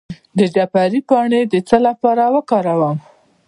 د جعفری پاڼې د څه لپاره وکاروم؟